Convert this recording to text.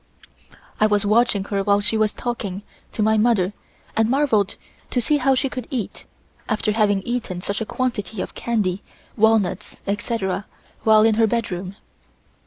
I was watching her while she was talking to my mother and marvelled to see how she could eat, after having eaten such a quantity of candy, walnuts, etc., while in her bedroom.